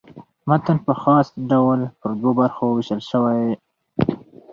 متن په خاص ډول پر دوو برخو وېشل سوی.